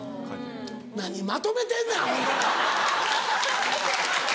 何まとめてんねんアホんだら。